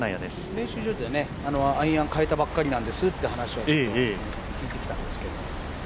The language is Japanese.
練習場で、アイアンを替えたばっかりなんですという話をちょっと聞いてきたんですけど。